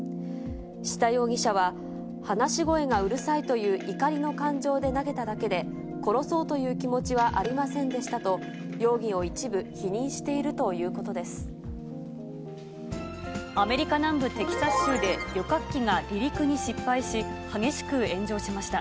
七田容疑者は話し声がうるさいという怒りの感情で投げただけで、殺そうという気持ちはありませんでしたと、容疑を一部否認していアメリカ南部テキサス州で、旅客機が離陸に失敗し、激しく炎上しました。